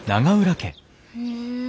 へえ